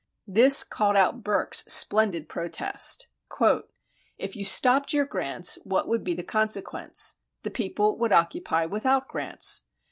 This called out Burke's splendid protest: If you stopped your grants, what would be the consequence? The people would occupy without grants.